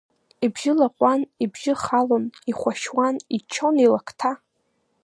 Ибжьы лаҟәуан, ибжьы халон, ихәашьуан, иччон илакҭа.